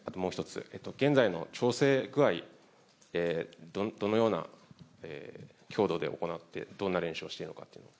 現在の調整具合、どのような強度で行ってどんな練習をしているのか。